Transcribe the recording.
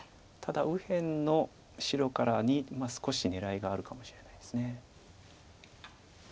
ただ右辺の白からに少し狙いがあるかもしれないです。